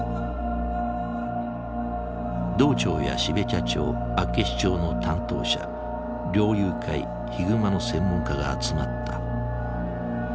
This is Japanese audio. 道庁や標茶町厚岸町の担当者猟友会ヒグマの専門家が集まった。